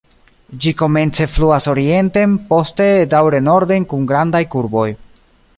Ĝi komence fluas orienten, poste daŭre norden kun grandaj kurboj.